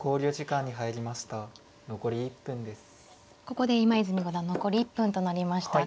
ここで今泉五段残り１分となりました。